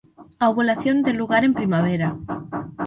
A ovulación ten lugar en primavera.